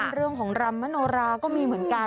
เรื่องของรำมโนราก็มีเหมือนกัน